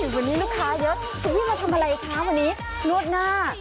วันนี้ลูกค้าเยอะคุณพี่มาทำอะไรคะวันนี้นวดหน้า